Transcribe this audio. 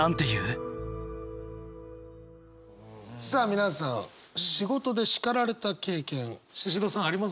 さあ皆さん仕事で叱られた経験シシドさんあります？